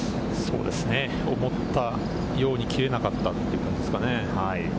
思ったように切れなかったという感じですかね。